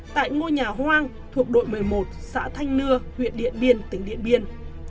tại ngôi nhà hoang thuộc đội một mươi một xã thanh nưa huyện điện biên tỉnh điện biên